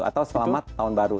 atau selamat tahun baru